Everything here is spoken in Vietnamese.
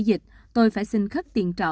dịch tôi phải xin khắp tiền trọ